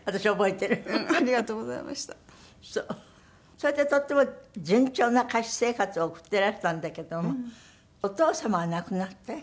それでとても順調な歌手生活を送ってらしたんだけどもお父様が亡くなって？